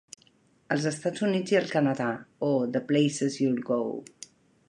Als Estats Units i al Canadà, Oh, the Places You'll Go!